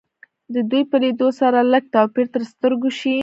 د دوی په لیدو سره لږ توپیر تر سترګو شي